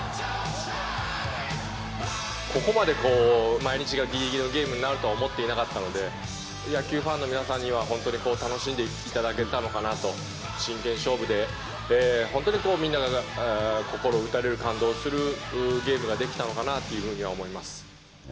ここまで毎日がぎりぎりのゲームになるとは思っていなかったので、野球ファンの皆さんには本当に楽しんでいただけたのかなと、真剣勝負で、本当にみんなが心を打たれる、感動するゲームができたのかなというふうには思います。